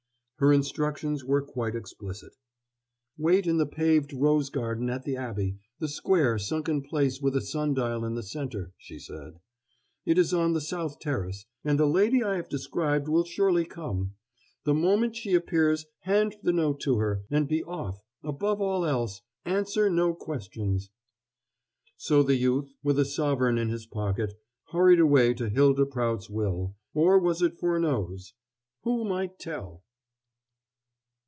Her instructions were quite explicit: "Wait in the paved rose garden at the Abbey, the square sunken place with a sun dial in the center," she said. "It is on the south terrace, and the lady I have described will surely come. The moment she appears hand the note to her, and be off above all else, answer no questions." So the youth, with a sovereign in his pocket, hurried away to do Hylda Prout's will or was it Furneaux's? Who might tell?